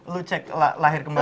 lo cek lahir kembali